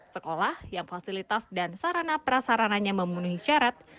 sekolah yang fasilitas dan sarana prasarananya memenuhi syarat